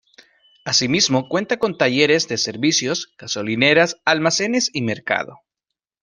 Asimismo cuenta con talleres de servicios, gasolineras, almacenes y mercado.